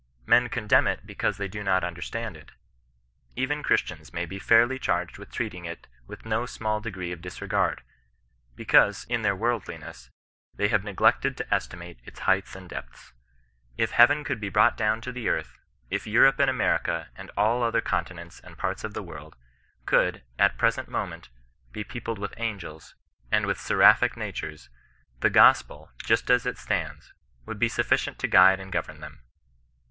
Men condemn it because they do not understand it ; even Christians may be fairly charged with treating it with no small degree of disre gard, because, in their worldliness, they have neglected to estimate its heights and depths. If heaven could be brought down to the earth — if Europe and America, and all other continents and parts of the world, could, at the present moment, be peopled with angels, and with se raphic natures, — the gospel, just as it stands, would be sufficient to guide and govern them.